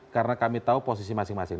karena kami tahu posisi masing masing